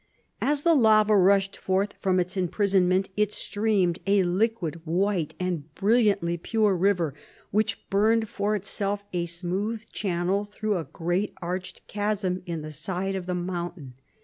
"As the lava rushed forth from its imprisonment it streamed a liquid, white and brilliantly pure river, which burned for itself a smooth channel through a great arched chasm in the side of the mountain.